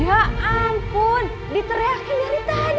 ya ampun diteriakin dari tadi